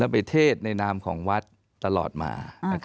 ไปเทศในนามของวัดตลอดมา